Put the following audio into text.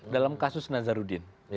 dalam kasus nazarudin